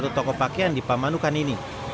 di satu tokoh pakaian di pamanukan ini